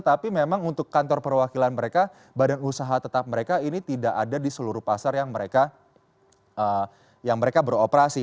tapi memang untuk kantor perwakilan mereka badan usaha tetap mereka ini tidak ada di seluruh pasar yang mereka beroperasi